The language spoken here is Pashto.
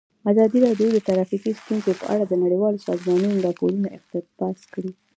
ازادي راډیو د ټرافیکي ستونزې په اړه د نړیوالو سازمانونو راپورونه اقتباس کړي.